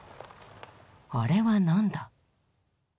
「あれは何だ」。